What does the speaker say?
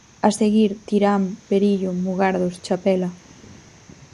A seguir: Tirán, Perillo, Mugardos, Chapela.